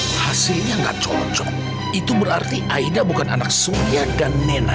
hasilnya nggak cocok itu berarti aida bukan anak surya dan nena